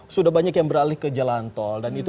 sudah banyak yang beralih ke jalan tol dan itu